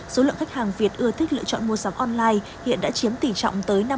số lượng khách hàng việt ưa thích lựa chọn mua sắm online hiện đã chiếm tỷ trọng tới năm mươi